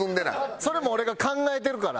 それも俺が考えてるから。